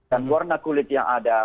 dan warna kulit yang ada